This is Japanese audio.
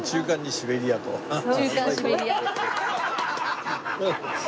中間シベリア。